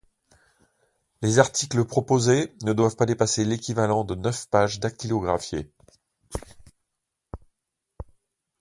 Les articles proposés ne doivent pas dépasser l'équivalent de neuf pages dactylographiées.